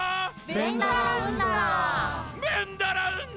ベンダラウンダラ。